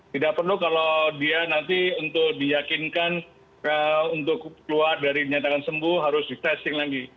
tidak perlu kalau dia nanti untuk diyakinkan untuk keluar dari dinyatakan sembuh harus di testing lagi